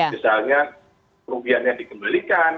misalnya kerugian yang dikembalikan